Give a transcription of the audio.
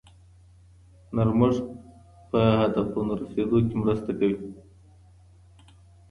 نرمښت په هدفونو رسیدو کې مرسته کوي.